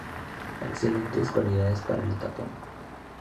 Excelentes cualidades para el tapón.